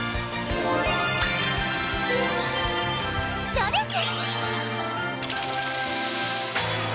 ドレス！